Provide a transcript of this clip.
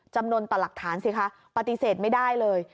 จำนวนต่อหลักฐานสิคะปฏิเสธไม่ได้เลย